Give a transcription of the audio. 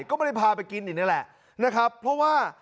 ก็ไม่ได้พาไปกินอีกนี่แหละนะครับเพราะว่า